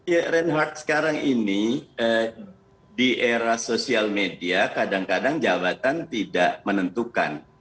ya reinhardt sekarang ini di era sosial media kadang kadang jabatan tidak menentukan